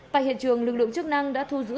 tại hiện trường lực lượng chức năng đã thu giữ